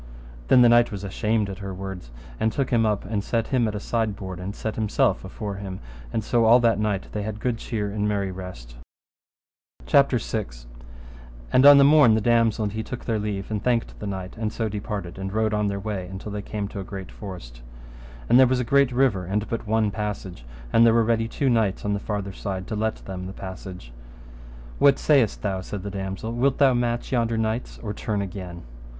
Then the knight was ashamed at her words, and took him up, and set him at a sideboard, and set himself afore him, and so all that night they had good cheer and merry rest. CHAPTER VI. How Beaumains fought and slew two knights at a passage. And on the morn the damosel and he took their leave and thanked the knight, and so departed, and rode on their way until they came to a great forest. And there was a great river and but one passage, and there were ready two knights on the farther side to let them the passage. What sayest thou, said the damosel, wilt thou match yonder knights or turn again?